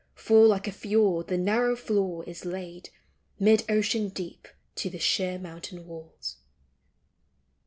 For like a fiord the narrow floor is laid Mid ocean deep to the sheer mountain walls.